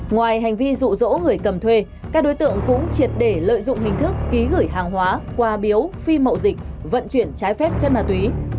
ngoài hành vi rụ rỗ người cầm thuê các đối tượng cũng triệt để lợi dụng hình thức ký gửi hàng hóa qua biếu phi mậu dịch vận chuyển trái phép chất ma túy